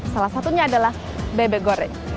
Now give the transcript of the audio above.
salah satunya adalah bebek goreng